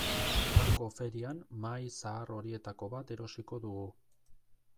Hango ferian mahai zahar horietako bat erosiko dugu.